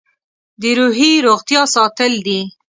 د روحي روغتیا ساتل دي.